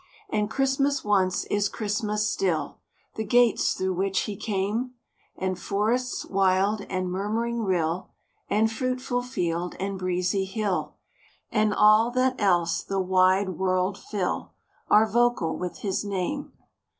And Christmas once is Christmas still; The gates through which He came, And forests wild, and murmuring rill, And fruitful field, and breezy hill, And all that else the wide world fill, Are vocal with His name.